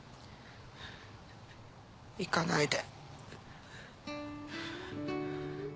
行かないで。